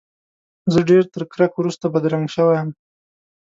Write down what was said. زه ډېره تر کرک ورسره بدرګه شوی یم.